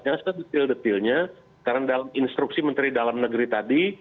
jangan sedetil detilnya karena dalam instruksi menteri dalam negeri tadi